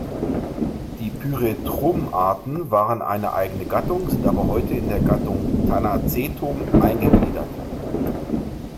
Die "Pyrethrum"-Arten waren eine eigene Gattung, sind aber heute in die Gattung "Tanacetum" eingegliedert.